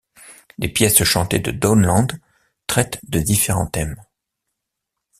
Les pièces chantées de Dowland traitent de différents thèmes.